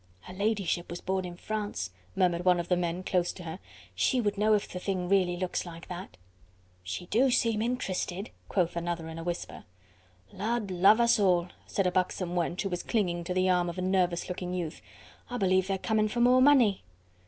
"Her ladyship was born in France," murmured one of the men, close to her, "she would know if the thing really looks like that." "She do seem interested," quoth another in a whisper. "Lud love us all!" said a buxom wench, who was clinging to the arm of a nervous looking youth, "I believe they're coming for more money."